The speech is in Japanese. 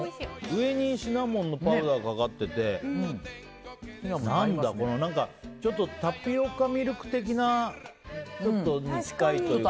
上にシナモンのパウダーがかかっててちょっとタピオカミルク的なのに近いというか。